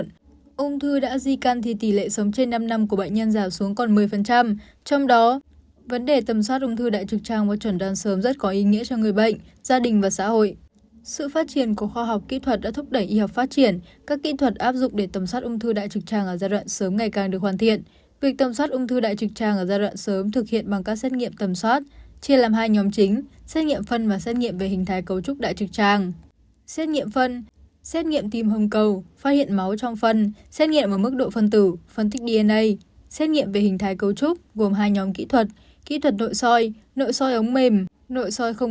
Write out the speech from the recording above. sự phát triển của khoa học kỹ thuật đã thúc đẩy y học phát triển các kỹ thuật áp dụng để tầm soát ung thư đại trực trang ở giai đoạn sớm ngày càng được hoàn thiện